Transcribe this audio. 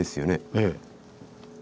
ええ。